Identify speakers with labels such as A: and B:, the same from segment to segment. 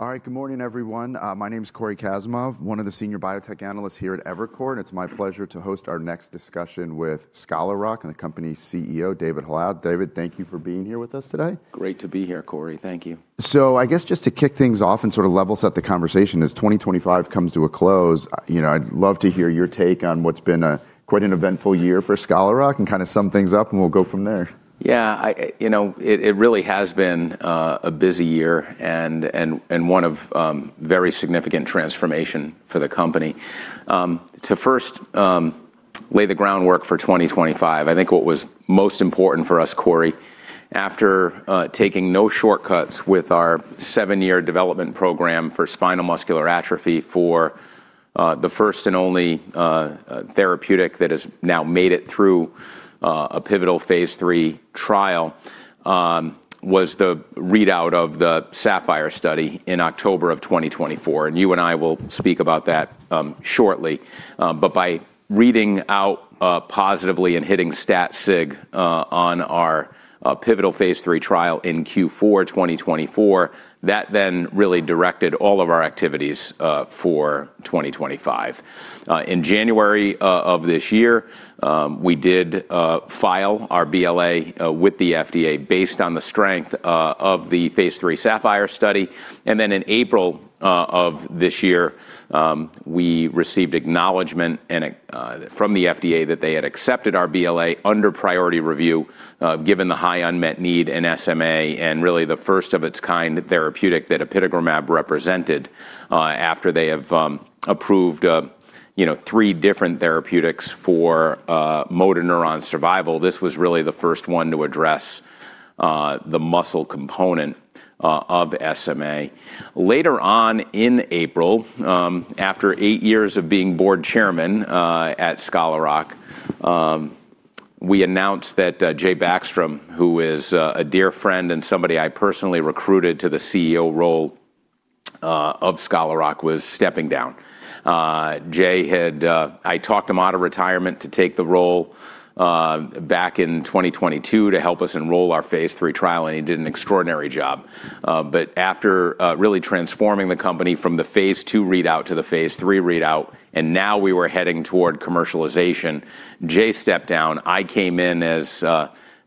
A: All right, good morning, everyone. My name is Cory Kasimov, one of the senior managing director here at Evercore ISI, and it's my pleasure to host our next discussion with Scholar Rock and the company's CEO, David Hallal. David, thank you for being here with us today.
B: Great to be here, Cory. Thank you.
A: I guess just to kick things off and sort of level set the conversation, as 2025 comes to a close, you know, I'd love to hear your take on what's been a quite an eventful year for Scholar Rock and kind of sum things up, and we'll go from there.
B: Yeah, you know, it really has been a busy year and one of very significant transformation for the company. To first lay the groundwork for 2025, I think what was most important for us, Cory, after taking no shortcuts with our seven-year development program for spinal muscular atrophy for the first and only therapeutic that has now made it through a pivotal Phase 3 trial, was the readout of the Sapphire study in October of 2024, and you and I will speak about that shortly, but by reading out positively and hitting stat sig on our pivotal Phase 3 trial in Q4 2024, that then really directed all of our activities for 2025. In January of this year, we did file our BLA with the FDA based on the strength of the Phase 3 Sapphire study. Then in April of this year, we received acknowledgment from the FDA that they had accepted our BLA under priority review, given the high unmet need in SMA and really the first of its kind therapeutic that apitegromab represented after they have approved, you know, three different therapeutics for motor neuron survival. This was really the first one to address the muscle component of SMA. Later on in April, after eight years of being board chairman at Scholar Rock, we announced that Jay Backstrom, who is a dear friend and somebody I personally recruited to the CEO role of Scholar Rock, was stepping down. Jay had, I talked him out of retirement to take the role back in 2022 to help us enroll our Phase 3 trial, and he did an extraordinary job. But after really transforming the company from the Phase 2 readout to the Phase 3 readout, and now we were heading toward commercialization, Jay stepped down. I came in as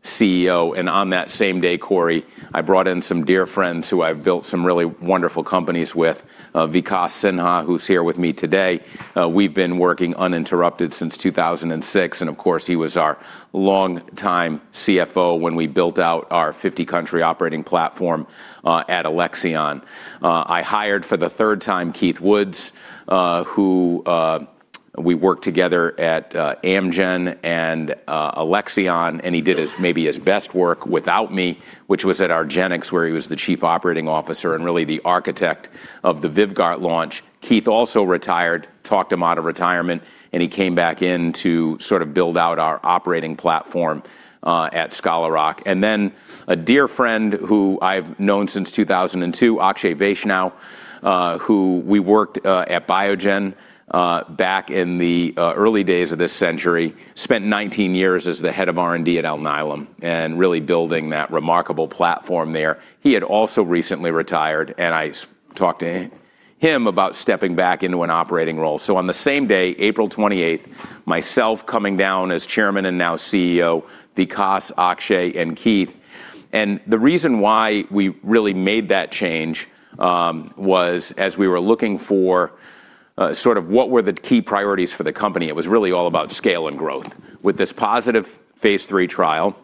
B: CEO, and on that same day, Cory, I brought in some dear friends who I've built some really wonderful companies with, Vikas Sinha, who's here with me today. We've been working uninterrupted since 2006, and of course, he was our longtime CFO when we built out our 50-country operating platform at Alexion. I hired for the third time Keith Woods, who we worked together at Amgen and Alexion, and he did maybe his best work without me, which was at argenx, where he was the chief operating officer and really the architect of the Vyvgart launch. Keith also retired, talked him out of retirement, and he came back in to sort of build out our operating platform at Scholar Rock. And then a dear friend who I've known since 2002, Akshay Vaishnaw, who we worked at Biogen back in the early days of this century, spent 19 years as the head of R&D at Alnylam and really building that remarkable platform there. He had also recently retired, and I talked to him about stepping back into an operating role. So on the same day, April 28th, myself coming down as chairman and now CEO, Vikas, Akshay, and Keith. And the reason why we really made that change was as we were looking for sort of what were the key priorities for the company. It was really all about scale and growth. With this positive Phase 3 trial,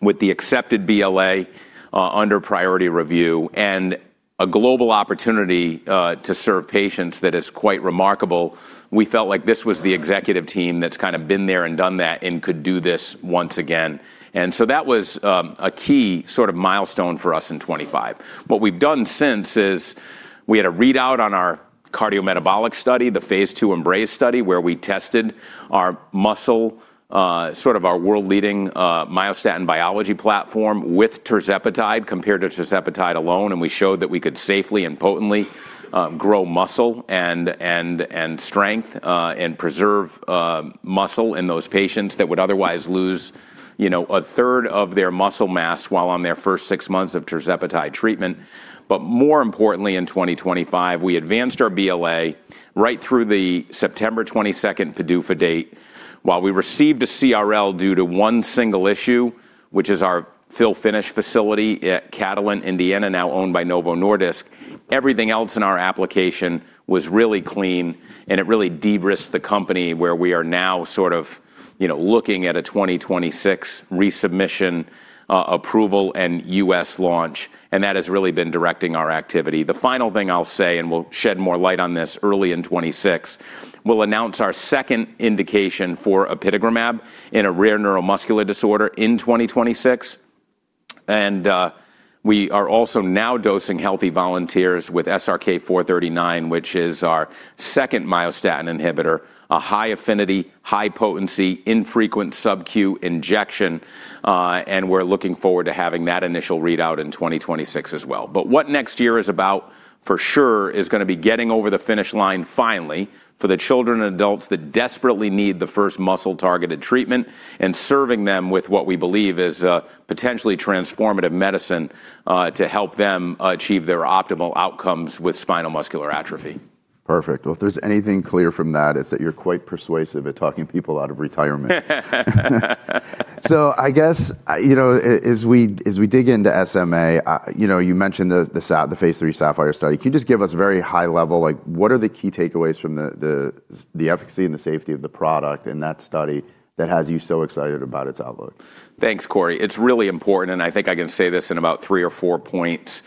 B: with the accepted BLA under priority review, and a global opportunity to serve patients that is quite remarkable, we felt like this was the executive team that's kind of been there and done that and could do this once again. And so that was a key sort of milestone for us in 2025. What we've done since is we had a readout on our cardiometabolic study, the Phase 2 EMBRACE study, where we tested our muscle, sort of our world-leading myostatin biology platform with tirzepatide compared to tirzepatide alone, and we showed that we could safely and potently grow muscle and strength and preserve muscle in those patients that would otherwise lose, you know, a 1/3 of their muscle mass while on their first six months of tirzepatide treatment. But more importantly, in 2025, we advanced our BLA right through the September 22nd PDUFA date while we received a CRL due to one single issue, which is our fill/finish facility at Catalent, Indiana, now owned by Novo Nordisk. Everything else in our application was really clean, and it really de-risked the company where we are now sort of, you know, looking at a 2026 resubmission approval and U.S. launch, and that has really been directing our activity. The final thing I'll say, and we'll shed more light on this early in 2026, we'll announce our second indication for apitegromab in a rare neuromuscular disorder in 2026. And we are also now dosing healthy volunteers with SRK-439, which is our second myostatin inhibitor, a high affinity, high potency, infrequent subcutaneous injection, and we're looking forward to having that initial readout in 2026 as well. But what next year is about for sure is going to be getting over the finish line finally for the children and adults that desperately need the first muscle-targeted treatment and serving them with what we believe is potentially transformative medicine to help them achieve their optimal outcomes with spinal muscular atrophy.
A: Perfect. Well, if there's anything clear from that, it's that you're quite persuasive at talking people out of retirement. So I guess, you know, as we dig into SMA, you know, you mentioned the Phase 3 Sapphire study. Can you just give us very high level, like, what are the key takeaways from the efficacy and the safety of the product in that study that has you so excited about its outlook?
B: Thanks, Cory. It's really important, and I think I can say this in about three or four points.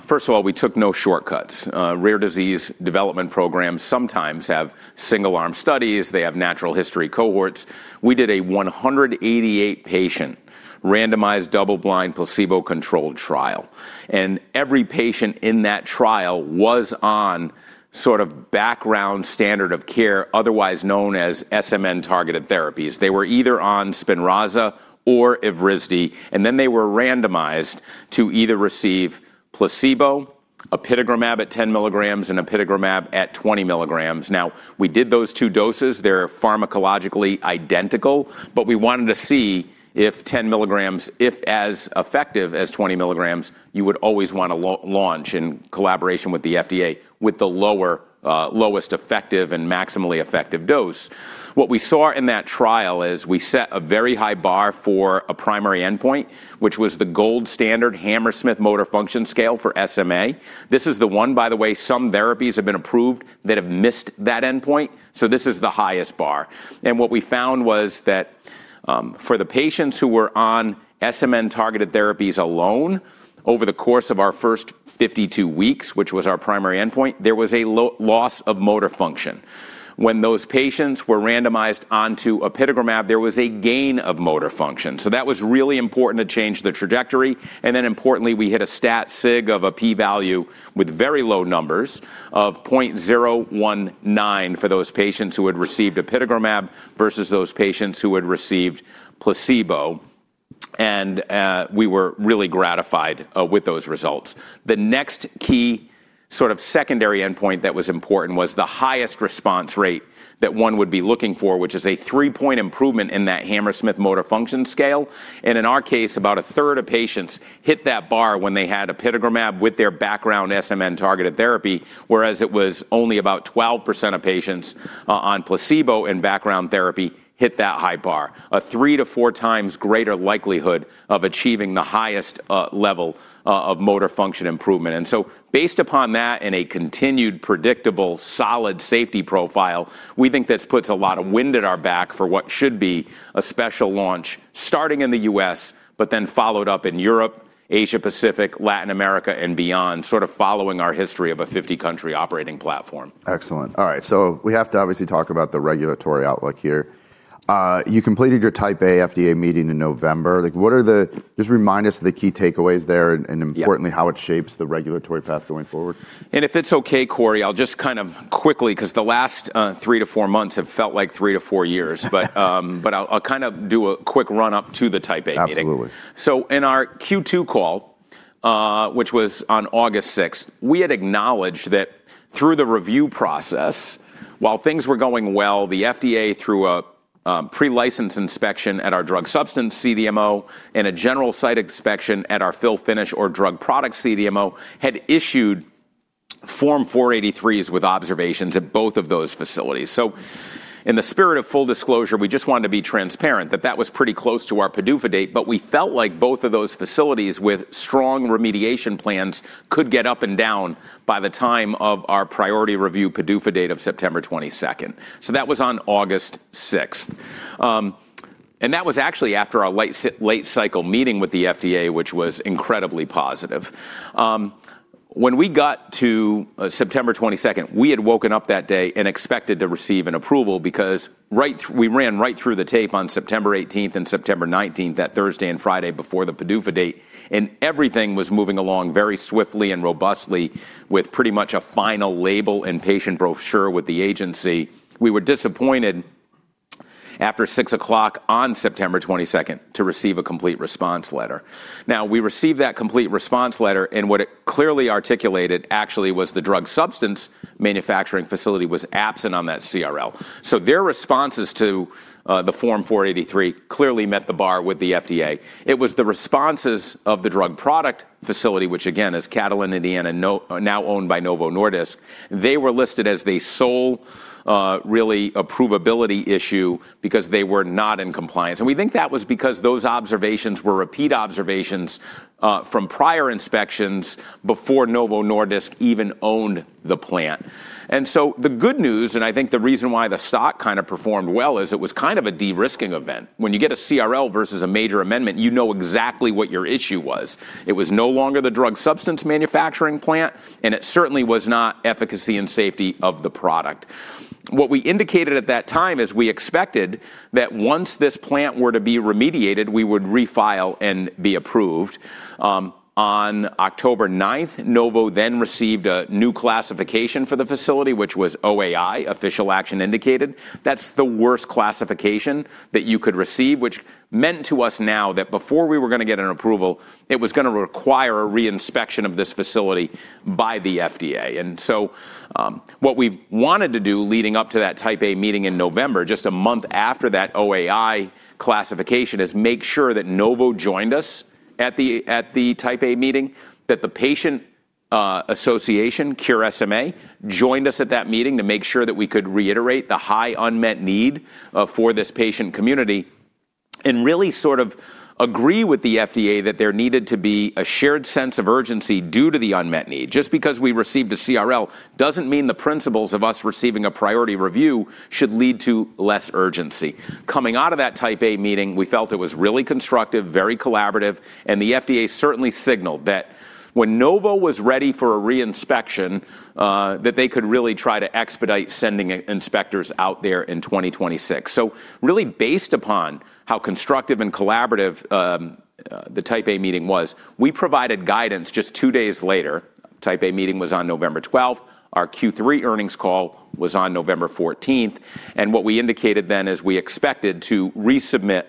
B: First of all, we took no shortcuts. Rare disease development programs sometimes have single-arm studies. They have natural history cohorts. We did a 188-patient randomized double-blind placebo-controlled trial, and every patient in that trial was on sort of background standard of care, otherwise known as SMN-targeted therapies. They were either on Spinraza or Evrysdi, and then they were randomized to either receive placebo, apitegromab at 10 mgs, and apitegromab at 20 mgs. Now, we did those two doses. They're pharmacologically identical, but we wanted to see if 10 mgs, if as effective as 20 mgs, you would always want to launch in collaboration with the FDA with the lowest effective and maximally effective dose. What we saw in that trial is we set a very high bar for a primary endpoint, which was the gold standard Hammersmith Motor Function Scale for SMA. This is the one, by the way, some therapies have been approved that have missed that endpoint. So this is the highest bar. And what we found was that for the patients who were on SMN-targeted therapies alone, over the course of our first 52 weeks, which was our primary endpoint, there was a loss of motor function. When those patients were randomized onto apitegromab, there was a gain of motor function. So that was really important to change the trajectory. And then importantly, we hit a stat sig of a p-value with very low numbers of 0.019 for those patients who had received apitegromab versus those patients who had received placebo. And we were really gratified with those results. The next key sort of secondary endpoint that was important was the highest response rate that one would be looking for, which is a three-point improvement in that Hammersmith Motor Function Scale. And in our case, about a 1/3 of patients hit that bar when they had apitegromab with their background SMN-targeted therapy, whereas it was only about 12% of patients on placebo in background therapy hit that high bar, a three to four times greater likelihood of achieving the highest level of motor function improvement. And so based upon that and a continued predictable solid safety profile, we think this puts a lot of wind at our back for what should be a special launch starting in the U.S., but then followed up in Europe, Asia-Pacific, Latin America, and beyond, sort of following our history of a 50-country operating platform.
A: Excellent. All right, so we have to obviously talk about the regulatory outlook here. You completed your Type A FDA meeting in November. Like, what are the, just remind us of the key takeaways there and importantly how it shapes the regulatory path going forward?
B: If it's okay, Cory, I'll just kind of quickly, because the last three to four months have felt like three to four years, but I'll kind of do a quick run-up to the Type A meeting.
A: Absolutely.
B: So in our Q2 call, which was on August 6th, we had acknowledged that through the review process, while things were going well, the FDA through a pre-license inspection at our drug substance CDMO and a general site inspection at our fill/finish or drug product CDMO had issued Form 483s with observations at both of those facilities. So in the spirit of full disclosure, we just wanted to be transparent that that was pretty close to our PDUFA date, but we felt like both of those facilities with strong remediation plans could get up and down by the time of our priority review PDUFA date of September 22nd. So that was on August 6th, and that was actually after our late cycle meeting with the FDA, which was incredibly positive. When we got to September 22nd, we had woken up that day and expected to receive an approval because right, we ran right through the tape on September 18th and September 19th, that Thursday and Friday before the PDUFA date, and everything was moving along very swiftly and robustly with pretty much a final label and patient brochure with the agency. We were disappointed after 6:00 on September 22nd to receive a complete response letter. Now, we received that complete response letter, and what it clearly articulated actually was the drug substance manufacturing facility was absent on that CRL. So their responses to the Form 483 clearly met the bar with the FDA. It was the responses of the drug product facility, which again, is Catalent, Indiana, now owned by Novo Nordisk. They were listed as the sole really approvability issue because they were not in compliance. We think that was because those observations were repeat observations from prior inspections before Novo Nordisk even owned the plant. And so the good news, and I think the reason why the stock kind of performed well is it was kind of a de-risking event. When you get a CRL versus a major amendment, you know exactly what your issue was. It was no longer the drug substance manufacturing plant, and it certainly was not efficacy and safety of the product. What we indicated at that time is we expected that once this plant were to be remediated, we would refile and be approved. On October 9th, Novo Nordisk then received a new classification for the facility, which was OAI, Official Action Indicated. That's the worst classification that you could receive, which meant to us now that before we were going to get an approval, it was going to require a reinspection of this facility by the FDA. And so what we wanted to do leading up to that Type A meeting in November, just a month after that OAI classification, is make sure that Novo Nordisk joined us at the Type A meeting, that the Patient Association, Cure SMA, joined us at that meeting to make sure that we could reiterate the high unmet need for this patient community and really sort of agree with the FDA that there needed to be a shared sense of urgency due to the unmet need. Just because we received a CRL doesn't mean the principles of us receiving a priority review should lead to less urgency. Coming out of that Type A meeting, we felt it was really constructive, very collaborative, and the FDA certainly signaled that when Novo Nordisk was ready for a reinspection, that they could really try to expedite sending inspectors out there in 2026, so really based upon how constructive and collaborative the Type A meeting was, we provided guidance just two days later. The Type A meeting was on November 12th. Our Q3 earnings call was on November 14th, and what we indicated then is we expected to resubmit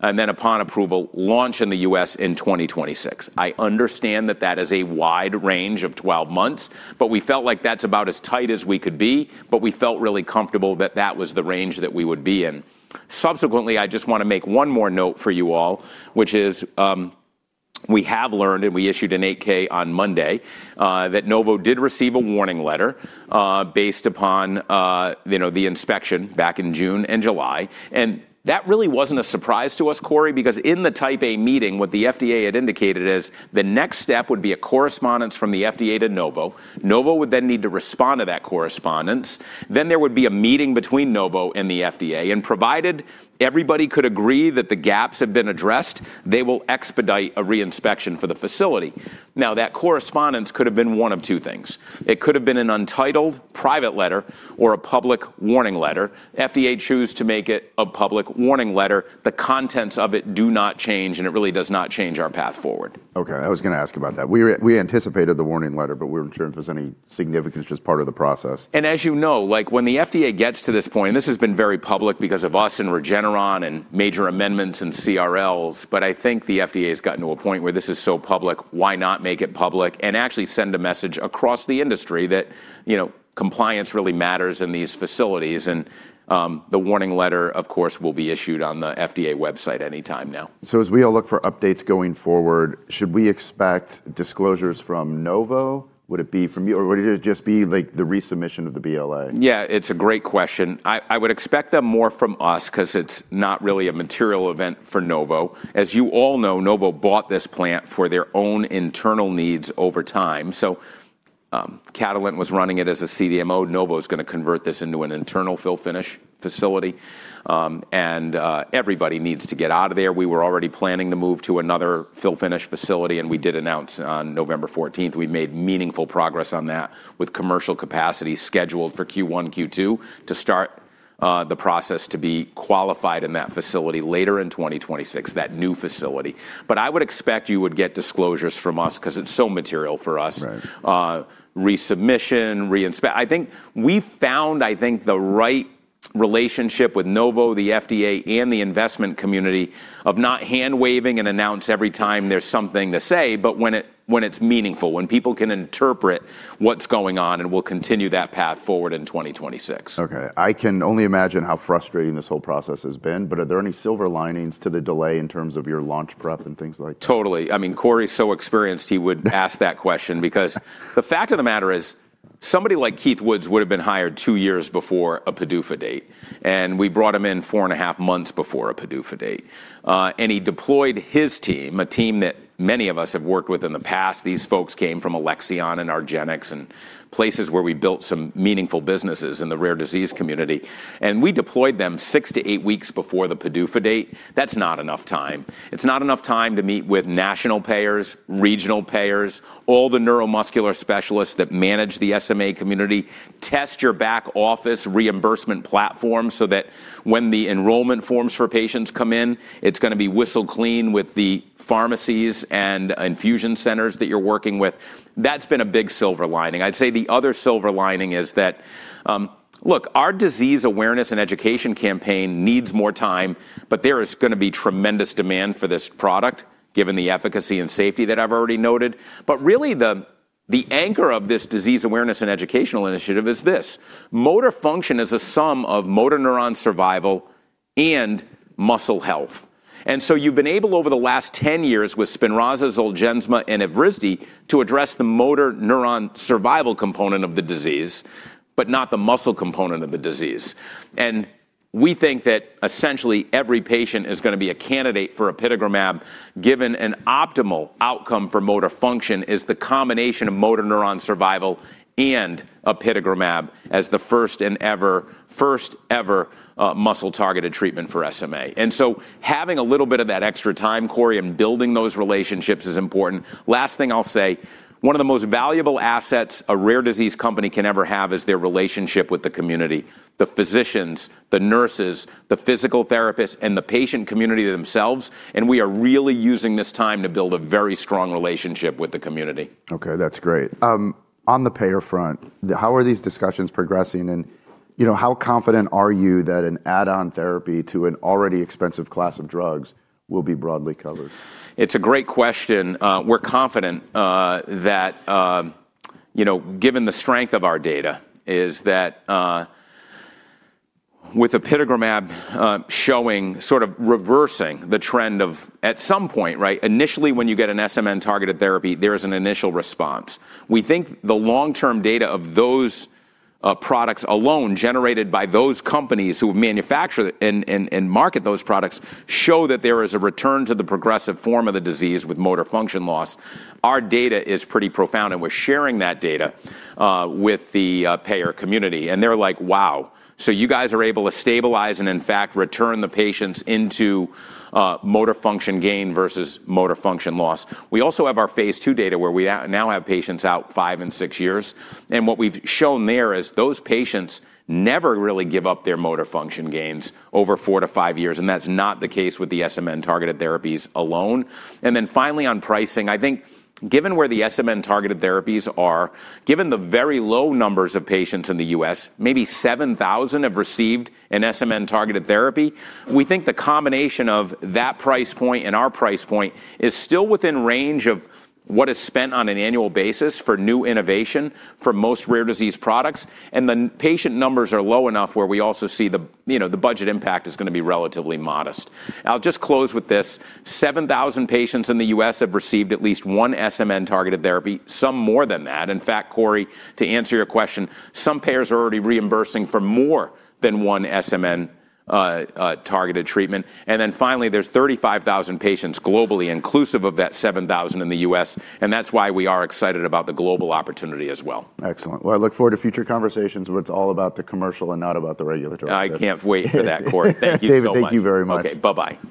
B: and then upon approval, launch in the U.S. in 2026. I understand that that is a wide range of 12 months, but we felt like that's about as tight as we could be, but we felt really comfortable that that was the range that we would be in. Subsequently, I just want to make one more note for you all, which is we have learned and we issued an Form 8-K on Monday that Novo Nordisk did receive a warning letter based upon, you know, the inspection back in June and July. And that really wasn't a surprise to us, Cory, because in the Type A meeting, what the FDA had indicated is the next step would be a correspondence from the FDA to Novo Nordisk. Novo Nordisk would then need to respond to that correspondence. Then there would be a meeting between Novo Nordisk and the FDA. And provided everybody could agree that the gaps have been addressed, they will expedite a reinspection for the facility. Now, that correspondence could have been one of two things. It could have been an untitled private letter or a public warning letter. FDA chooses to make it a public warning letter. The contents of it do not change, and it really does not change our path forward.
A: Okay. I was going to ask about that. We anticipated the warning letter, but we weren't sure if it was any significance, just part of the process.
B: As you know, like when the FDA gets to this point, and this has been very public because of us and Regeneron and major amendments and CRLs, but I think the FDA has gotten to a point where this is so public, why not make it public and actually send a message across the industry that, you know, compliance really matters in these facilities. The warning letter, of course, will be issued on the FDA website anytime now.
A: As we all look for updates going forward, should we expect disclosures from Novo Nordisk? Would it be from you or would it just be like the resubmission of the BLA?
B: Yeah, it's a great question. I would expect more from us because it's not really a material event for Novo Nordisk. As you all know, Novo Nordisk bought this plant for their own internal needs over time. So Catalent was running it as a CDMO. Novo Nordisk is going to convert this into an internal fill/finish facility. And everybody needs to get out of there. We were already planning to move to another fill/finish facility, and we did announce on November 14th. We made meaningful progress on that with commercial capacity scheduled for Q1, Q2 to start the process to be qualified in that facility later in 2026, that new facility. But I would expect you would get disclosures from us because it's so material for us.
A: Right.
B: Resubmission, reinspection. I think we found the right relationship with Novo Nordisk, the FDA, and the investment community of not handwaving and announcing every time there's something to say, but when it's meaningful, when people can interpret what's going on, and we'll continue that path forward in 2026.
A: Okay. I can only imagine how frustrating this whole process has been, but are there any silver linings to the delay in terms of your launch prep and things like that?
B: Totally. I mean, Cory's so experienced, he would ask that question because the fact of the matter is somebody like Keith Woods would have been hired two years before a PDUFA date. And we brought him in four and a half months before a PDUFA date. And he deployed his team, a team that many of us have worked with in the past. These folks came from Alexion and argenx and places where we built some meaningful businesses in the rare disease community. And we deployed them six to eight weeks before the PDUFA date. That's not enough time. It's not enough time to meet with national payers, regional payers, all the neuromuscular specialists that manage the SMA community, test your back office reimbursement platform so that when the enrollment forms for patients come in, it's going to be whistle clean with the pharmacies and infusion centers that you're working with. That's been a big silver lining. I'd say the other silver lining is that, look, our disease awareness and education campaign needs more time, but there is going to be tremendous demand for this product given the efficacy and safety that I've already noted. But really, the anchor of this disease awareness and educational initiative is this: motor function is a sum of motor neuron survival and muscle health. And so you've been able over the last 10 years with Spinraza, Zolgensma, and Evrysdi to address the motor neuron survival component of the disease, but not the muscle component of the disease. And we think that essentially every patient is going to be a candidate for apitegromab given an optimal outcome for motor function is the combination of motor neuron survival and apitegromab as the first and ever, first ever muscle targeted treatment for SMA. And so having a little bit of that extra time, Cory, and building those relationships is important. Last thing I'll say, one of the most valuable assets a rare disease company can ever have is their relationship with the community, the physicians, the nurses, the physical therapists, and the patient community themselves. And we are really using this time to build a very strong relationship with the community.
A: Okay, that's great. On the payer front, how are these discussions progressing? And you know, how confident are you that an add-on therapy to an already expensive class of drugs will be broadly covered?
B: It's a great question. We're confident that, you know, given the strength of our data, is that with apitegromab showing sort of reversing the trend of at some point, right, initially when you get an SMN targeted therapy, there is an initial response. We think the long-term data of those products alone generated by those companies who manufacture and market those products show that there is a return to the progressive form of the disease with motor function loss. Our data is pretty profound, and we're sharing that data with the payer community, and they're like, wow, so you guys are able to stabilize and in fact return the patients into motor function gain versus motor function loss. We also have our Phase 2 data where we now have patients out five and six years. What we've shown there is those patients never really give up their motor function gains over four to five years. That's not the case with the SMN-targeted therapies alone. Finally on pricing, I think given where the SMN-targeted therapies are, given the very low numbers of patients in the U.S., maybe 7,000 have received an SMN-targeted therapy, we think the combination of that price point and our price point is still within range of what is spent on an annual basis for new innovation for most rare disease products. The patient numbers are low enough where we also see the, you know, the budget impact is going to be relatively modest. I'll just close with this: 7,000 patients in the U.S. have received at least one SMN-targeted therapy, some more than that. In fact, Cory, to answer your question, some payers are already reimbursing for more than one SMN targeted treatment, and then finally, there's 35,000 patients globally, inclusive of that 7,000 in the U.S., and that's why we are excited about the global opportunity as well.
A: Excellent. Well, I look forward to future conversations where it's all about the commercial and not about the regulatory.
B: I can't wait for that, Cory. Thank you so much.
A: David, thank you very much.
B: Okay, bye-bye.